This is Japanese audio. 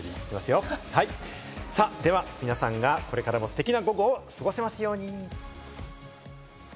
では、皆さんがこれからもステキな午後を過ごせますように。